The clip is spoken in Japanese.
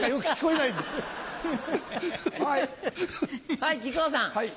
はい木久扇さん。